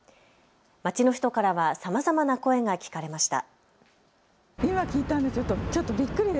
街の人からはさまざまな声が聞かれました。